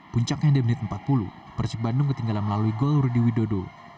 puncaknya di menit empat puluh persib bandung ketinggalan melalui gol rudy widodo